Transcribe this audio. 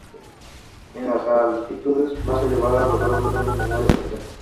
En las altitudes más elevadas, los árboles son de menor estatura.